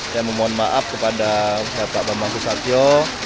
saya mohon maaf kepada pak bambang susatyo